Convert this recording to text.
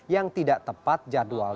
yang tidak tepat jadwalnya